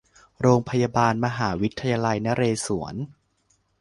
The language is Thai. โรงพยาบาลมหาวิทยาลัยนเรศวร